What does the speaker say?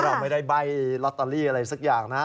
เราไม่ได้ใบ้ลอตเตอรี่อะไรสักอย่างนะ